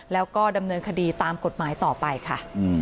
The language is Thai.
แล้วก็ดำเนินคดีตามกฎหมายต่อไปค่ะ